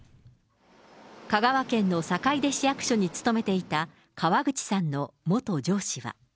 香川県の坂出市役所に勤めていた河口さんの元上司は。